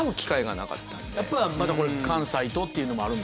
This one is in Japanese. やっぱりまたこれ関西とっていうのもあるんだ。